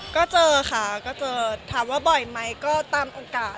ก็เจอค่ะก็เจอถามว่าบ่อยไหมก็ตามโอกาส